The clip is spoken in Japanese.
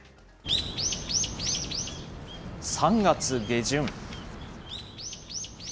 ３月下旬。